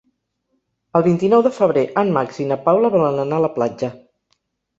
El vint-i-nou de febrer en Max i na Paula volen anar a la platja.